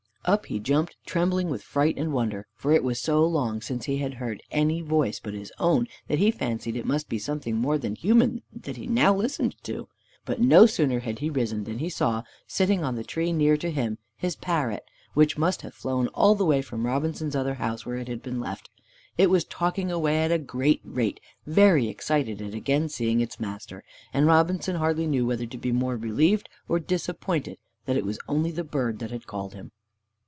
Up he jumped, trembling with fright and wonder, for it was so long since he had heard any voice but his own that he fancied it must be something more than human that he now listened to. But no sooner had he risen than he saw, sitting on the tree near to him, his parrot, which must have flown all the way from Robinson's other house, where it had been left. It was talking away at a great rate, very excited at again seeing its master, and Robinson hardly knew whether to be more relieved or disappointed that it was only the bird that had called him.